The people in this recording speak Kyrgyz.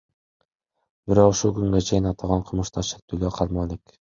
Бирок ушул күнгө чейин аталган кылмышка шектүүлөр кармала элек.